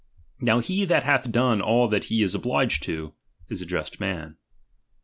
Now he that hath done all he is obliged to, is a just man.